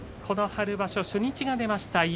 この春場所、初日が出ました。